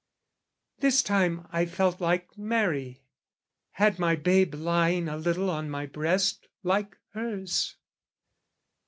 This time I felt like Mary, had my babe Lying a little on my breast like hers.